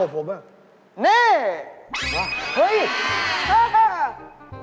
มันเปล่าหรือเปล่าเฮ่ยฮ่า